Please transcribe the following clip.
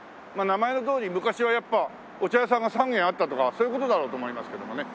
名前のとおり昔はやっぱお茶屋さんが３軒あったとかそういう事だろうと思いますけどもね。